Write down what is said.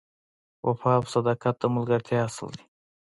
وفا او صداقت د ملګرتیا اصل دی.